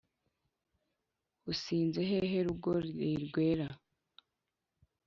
unsize heheee rugori rwera??